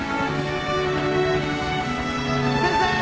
先生！